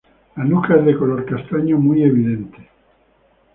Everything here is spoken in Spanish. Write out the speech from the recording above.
La nuca es de color castaño muy evidente.